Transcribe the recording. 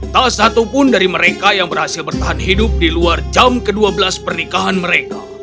tak satu pun dari mereka yang berhasil bertahan hidup di luar jam ke dua belas pernikahan mereka